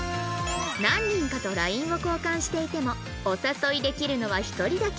何人かと ＬＩＮＥ を交換していてもお誘いできるのは１人だけ